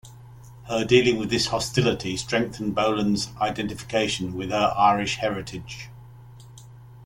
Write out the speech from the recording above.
Her dealing with this hostility strengthened Boland's identification with her Irish heritage.